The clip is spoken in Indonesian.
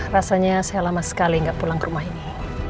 rasanya saya lama sekali nggak pulang ke rumah ini